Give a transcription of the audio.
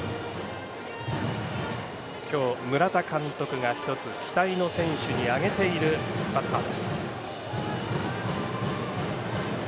今日村田監督が１つ期待の選手に挙げているバッター。